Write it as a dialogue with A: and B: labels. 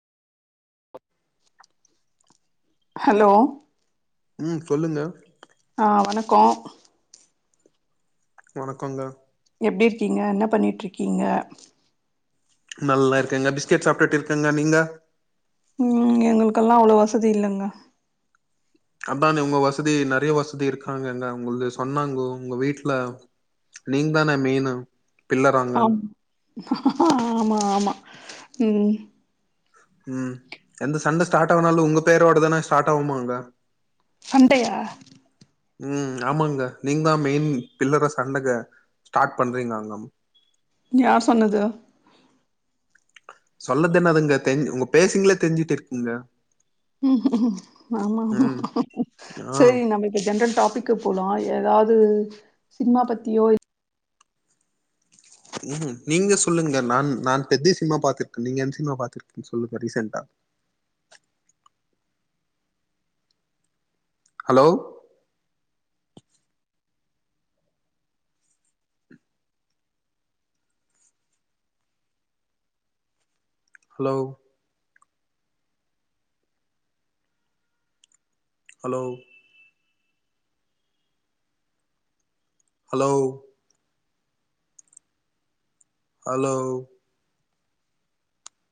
A: [inaudible]
B: hello
A: ம் சொல்லுங்க
B: ஆ வணக்கோ
A: வணக்கங்க
B: எப்டி இருக்கீங்க என்ன பண்ணிட்ருக்கீங்க
A: நல்லா இருக்கேங்க பிஸ்கெட் சாப்ட்டுட்டு இருக்கேங்க நீங்க
B: ம் எங்களுக்கெல்லா அவ்ளோ வசதி இல்லங்க
A: அதானே உங்க வசதி நெறைய வசதி இருக்காங்கங்க உங்கள்து சொன்னாங்கோ உங்க வீட்ல நீங் தானே மெயினா
B: ஆம் ஆமா ஆமா ம்
A: ம் எந்த சண்ட ஸ்டார்ட் ஆனாலு உங்க பேரோட தானே ஸ்டார்ட் ஆகுமாங்க
B: சண்டையா
A: ம் ஆமாங்க நீங்க தா மெயின் பில்லரா சண்டக்க ஸ்டார்ட் பண்றீங்க அங்கம்
B: யார் சொன்னது
A: சொல்லதென்னதுங்க தெரிங் உங்க பேசிங்ளே தெரிஞ்சுட்டு இருக்குங்க
B: ம்ம் ஆமா ஆமா
A: ம் ஆ
B: சேரி நம்ம இப்ப ஜென்ரல் டாபிக் க்கு போலா எதாவ்து சினிமா பத்தியோ இல்
A: ம் நீங்க சொல்லுங்க நான் நான் பெதிய சினிமா பாத்திருக்கே நீங்க என்ன சினிமா பாத்திருக்கீங்கனு சொல்லுங்க ரீசெண்டா hello hello hello hello hello